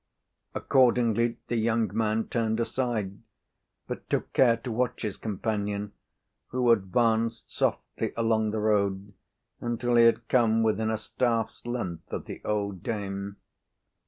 Accordingly the young man turned aside, but took care to watch his companion, who advanced softly along the road until he had come within a staff's length of the old dame.